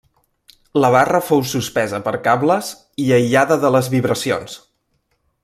La barra fou suspesa per cables i aïllada de les vibracions.